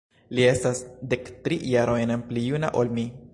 Li estas dektri jarojn pli juna ol mi.